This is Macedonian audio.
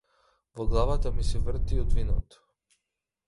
Во главата ми се врти од виното.